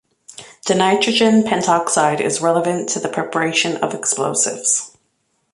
Dinitrogen pentoxide is relevant to the preparation of explosives.